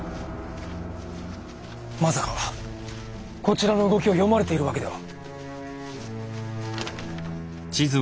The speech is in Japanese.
まさかこちらの動きを読まれている訳では。